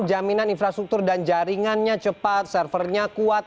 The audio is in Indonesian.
jaminan infrastruktur dan jaringannya cepat servernya kuat